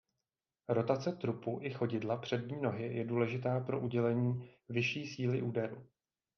Rotace trupu i chodidla přední nohy je důležitá pro udělení vyšší síly úderu.